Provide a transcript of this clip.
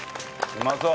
うまそう！